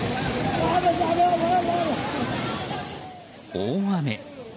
大雨。